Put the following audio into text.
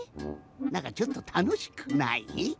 なんかちょっとたのしくない？